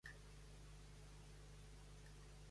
He d'anar al carrer de la Vall d'Aro amb trasport públic.